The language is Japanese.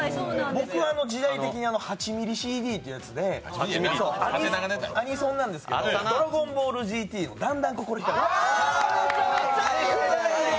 僕は時代的に８ｍｍＣＤってやつでアニソンなんですけど「ドラゴンボールＧＴ」の「ＤＡＮＤＡＮ心惹かれてく」。